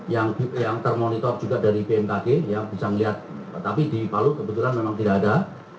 yang termonitor juga dari bmkg yang bisa melihat tapi di palu kebetulan memang tidak ada